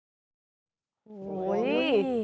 โอ้โฮ